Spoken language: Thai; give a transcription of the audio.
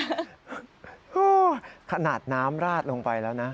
โอ้โหขนาดน้ำราดลงไปแล้วนะ